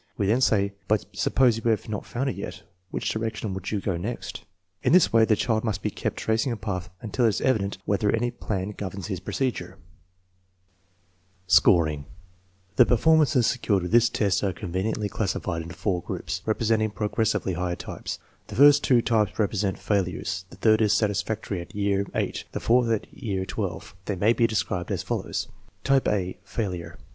We then say: "But suppose you have not found it yet. Which direction would you go next ?" In this way the child must be kept tracing a path until it is evident whether any plan governs his procedure. Scoring. The performances secured with this test are 1 The Stanford record booklet contains the circle ready for use. TEST NO. Vm, 1 211 conveniently classified into four groups, representing pro gressively higher types. The first two types represent fail ures; the third is satisfactory at year VIII, the fourth at year XII. They may be described as follows: Type a (failure)